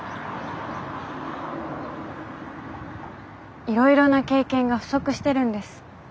いろいろな経験が不足してるんです。